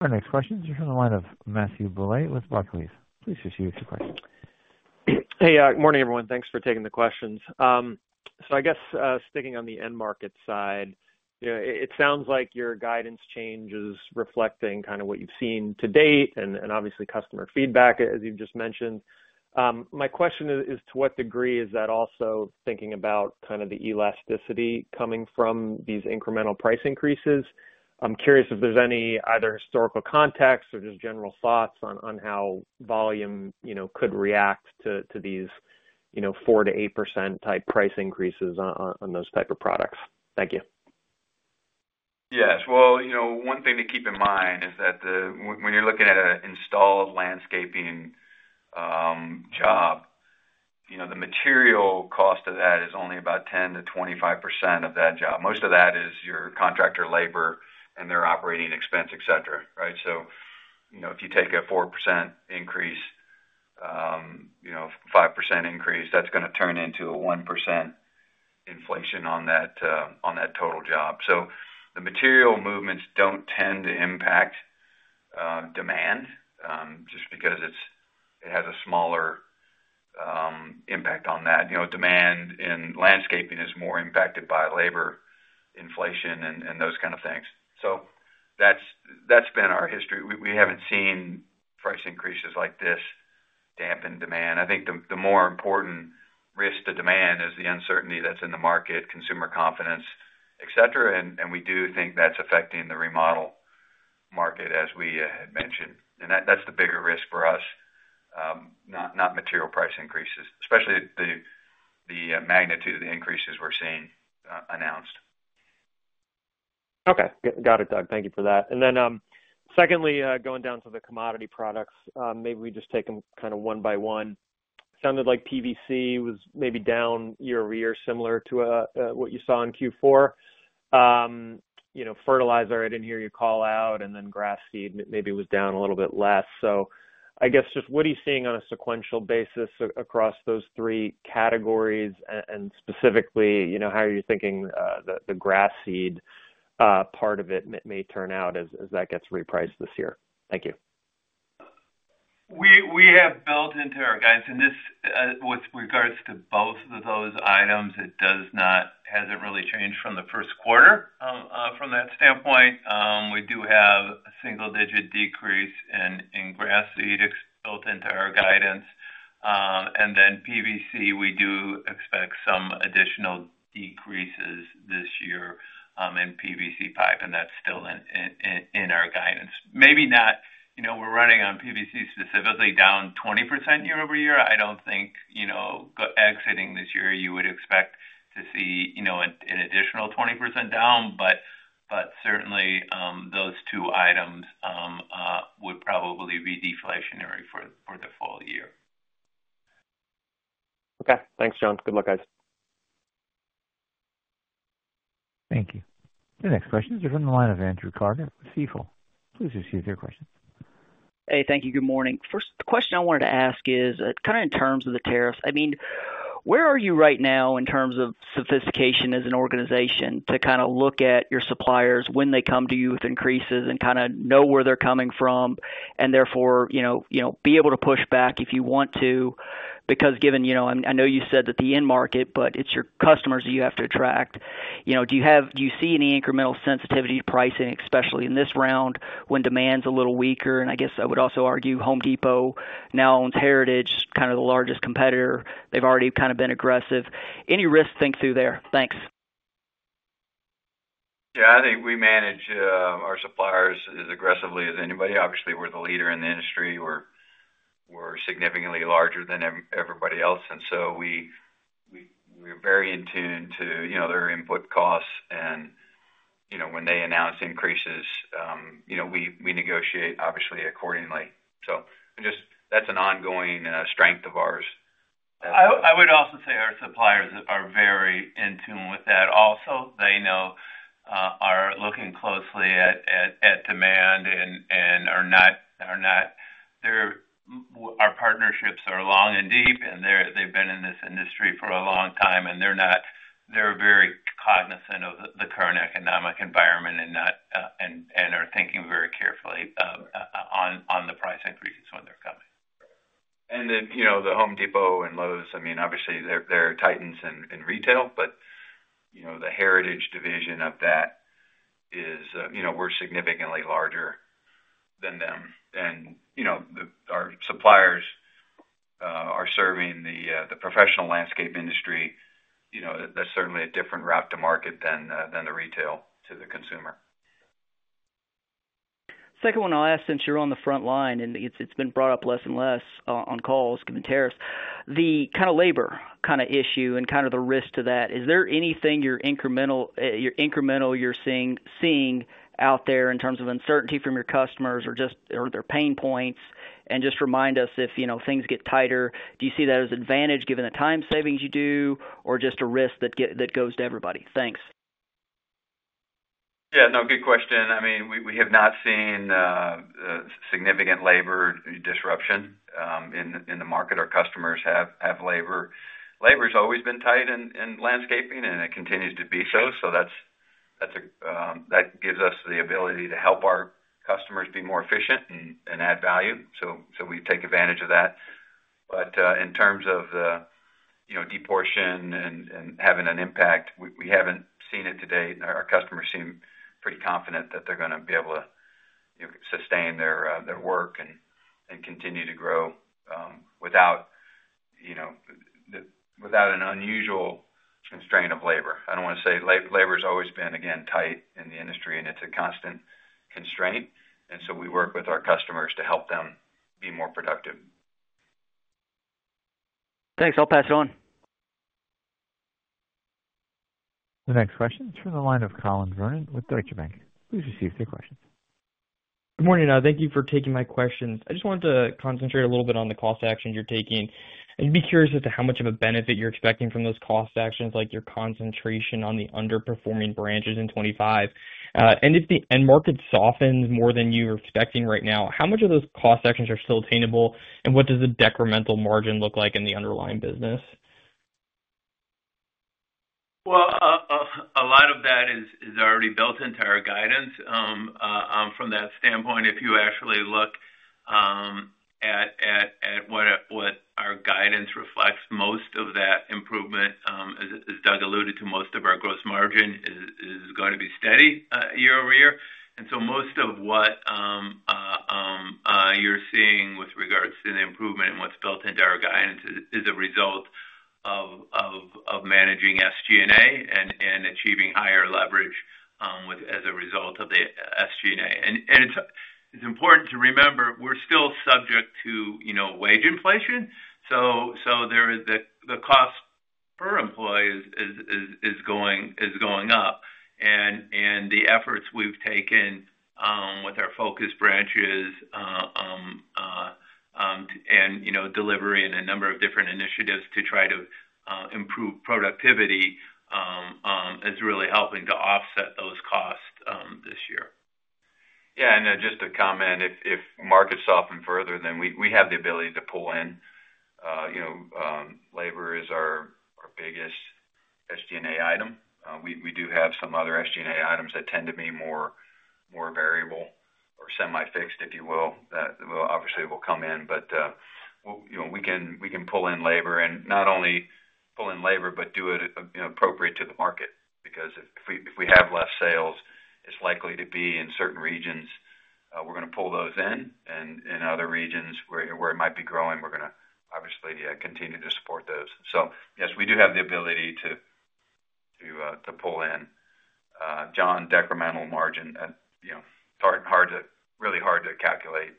Our next question is from the line of Matthew Bouley with Barclays. Please proceed with your question. Hey, good morning, everyone. Thanks for taking the questions. I guess sticking on the end market side, it sounds like your guidance changes reflecting kind of what you've seen to date and obviously customer feedback, as you've just mentioned. My question is, to what degree is that also thinking about kind of the elasticity coming from these incremental price increases? I'm curious if there's any either historical context or just general thoughts on how volume could react to these 4%-8% type price increases on those type of products. Thank you. Yes. One thing to keep in mind is that when you're looking at an installed landscaping job, the material cost of that is only about 10-25% of that job. Most of that is your contractor labor and their operating expense, etc., right? If you take a 4% increase, 5% increase, that's going to turn into a 1% inflation on that total job. The material movements do not tend to impact demand just because it has a smaller impact on that. Demand in landscaping is more impacted by labor inflation and those kind of things. That has been our history. We have not seen price increases like this dampen demand. I think the more important risk to demand is the uncertainty that is in the market, consumer confidence, etc. We do think that is affecting the remodel market, as we had mentioned. That is the bigger risk for us, not material price increases, especially the magnitude of the increases we are seeing announced. Okay. Got it, Doug. Thank you for that. Secondly, going down to the commodity products, maybe we just take them kind of one by one. Sounded like PVC was maybe down year over year, similar to what you saw in Q4. Fertilizer, I did not hear you call out, and then grass seed maybe was down a little bit less. I guess just what are you seeing on a sequential basis across those three categories and specifically how are you thinking the grass seed part of it may turn out as that gets repriced this year? Thank you. We have built into our guidance, and with regards to both of those items, it has not really changed from the first quarter from that standpoint. We do have a single-digit decrease in grass seed built into our guidance. PVC, we do expect some additional decreases this year in PVC pipe, and that is still in our guidance. Maybe now we are running on PVC specifically down 20% year over year. I don't think exiting this year, you would expect to see an additional 20% down, but certainly, those two items would probably be deflationary for the full year. Okay. Thanks, John. Good luck, guys. Thank you. The next question is from the line of Andrew Carter with Stifel. Please proceed with your questions. Hey, thank you. Good morning. First question I wanted to ask is kind of in terms of the tariffs. I mean, where are you right now in terms of sophistication as an organization to kind of look at your suppliers when they come to you with increases and kind of know where they're coming from and therefore be able to push back if you want to? Because given I know you said that the end market, but it's your customers that you have to attract. Do you see any incremental sensitivity to pricing, especially in this round when demand's a little weaker? I guess I would also argue Home Depot now owns Heritage, kind of the largest competitor. They've already kind of been aggressive. Any risk think-through there? Thanks. Yeah. I think we manage our suppliers as aggressively as anybody. Obviously, we're the leader in the industry. We're significantly larger than everybody else. We are very in tune to their input costs. When they announce increases, we negotiate, obviously, accordingly. That's an ongoing strength of ours. I would also say our suppliers are very in tune with that also. They are looking closely at demand and our partnerships are long and deep, and they've been in this industry for a long time. They are very cognizant of the current economic environment and are thinking very carefully on the price increases when they are coming. The Home Depot and Lowe's, I mean, obviously, they are titans in retail, but the Heritage division of that is we are significantly larger than them. Our suppliers are serving the professional landscape industry. That is certainly a different route to market than the retail to the consumer. Second one I will ask since you are on the front line, and it has been brought up less and less on calls given tariffs. The kind of labor kind of issue and kind of the risk to that, is there anything incremental you are seeing out there in terms of uncertainty from your customers or their pain points? Just remind us if things get tighter, do you see that as an advantage given the time savings you do or just a risk that goes to everybody? Thanks. Yeah. No, good question. I mean, we have not seen significant labor disruption in the market. Our customers have labor. Labor has always been tight in landscaping, and it continues to be so. That gives us the ability to help our customers be more efficient and add value. We take advantage of that. In terms of the deportation and having an impact, we haven't seen it to date. Our customers seem pretty confident that they're going to be able to sustain their work and continue to grow without an unusual constraint of labor. I don't want to say labor has always been, again, tight in the industry, and it's a constant constraint. We work with our customers to help them be more productive. Thanks. I'll pass it on. The next question is from the line of Collin Verron with Deutsche Bank. Please receive your questions. Good morning. Thank you for taking my questions. I just wanted to concentrate a little bit on the cost actions you're taking and be curious as to how much of a benefit you're expecting from those cost actions, like your concentration on the underperforming branches in 2025. If the end market softens more than you were expecting right now, how much of those cost actions are still attainable, and what does the decremental margin look like in the underlying business? A lot of that is already built into our guidance. From that standpoint, if you actually look at what our guidance reflects, most of that improvement, as Doug alluded to, most of our gross margin is going to be steady year over year. Most of what you're seeing with regards to the improvement and what's built into our guidance is a result of managing SG&A and achieving higher leverage as a result of the SG&A. It's important to remember we're still subject to wage inflation. The cost per employee is going up. The efforts we've taken with our focus branches and delivering a number of different initiatives to try to improve productivity is really helping to offset those costs this year. Yeah. Just to comment, if markets soften further, we have the ability to pull in. Labor is our biggest SG&A item. We do have some other SG&A items that tend to be more variable or semi-fixed, if you will, that obviously will come in. But we can pull in labor and not only pull in labor, but do it appropriate to the market because if we have less sales, it's likely to be in certain regions, we're going to pull those in. In other regions where it might be growing, we're going to obviously continue to support those. Yes, we do have the ability to pull in. John, decremental margin is really hard to calculate,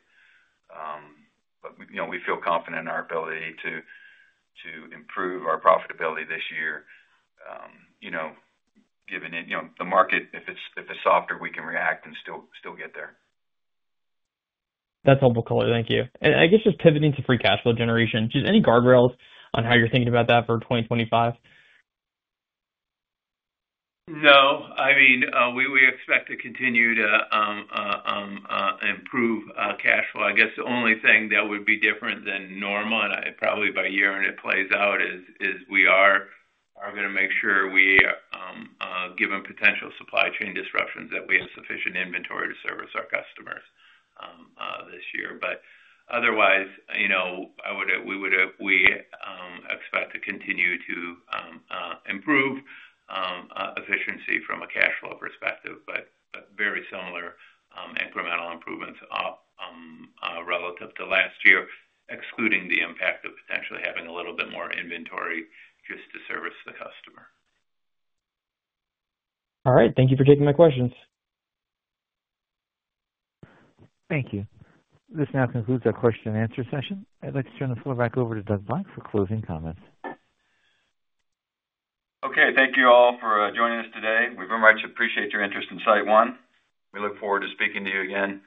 but we feel confident in our ability to improve our profitability this year given the market. If it's softer, we can react and still get there. That's helpful color. Thank you. I guess just pivoting to free cash flow generation, just any guardrails on how you're thinking about that for 2025? No. I mean, we expect to continue to improve cash flow. I guess the only thing that would be different than normal, and probably by year when it plays out, is we are going to make sure we give them potential supply chain disruptions, that we have sufficient inventory to service our customers this year. Otherwise, we would expect to continue to improve efficiency from a cash flow perspective, but very similar incremental improvements relative to last year, excluding the impact of potentially having a little bit more inventory just to service the customer. All right. Thank you for taking my questions. Thank you. This now concludes our question-and-answer session. I'd like to turn the floor back over to Doug Black for closing comments. Okay. Thank you all for joining us today. We very much appreciate your interest in SiteOne. We look forward to speaking to you again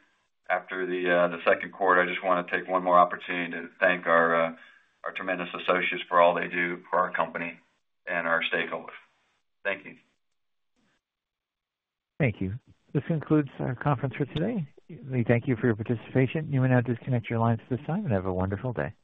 after the second quarter. I just want to take one more opportunity to thank our tremendous associates for all they do for our company and our stakeholders. Thank you. Thank you. This concludes our conference for today. We thank you for your participation. You may now disconnect your lines at this time and have a wonderful day.